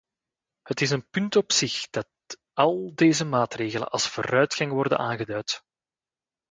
Het is een punt op zich dat al deze maatregelen als vooruitgang worden aangeduid.